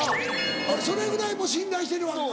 それぐらいもう信頼してるわけか。